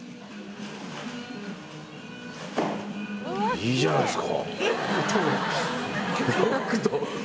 いいじゃないっすか。